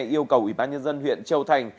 yêu cầu ủy ban nhân dân huyện châu thành